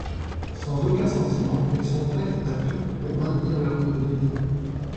Sans aucun sentiment, elles sont prêtes à tout pour maintenir leur niveau de vie.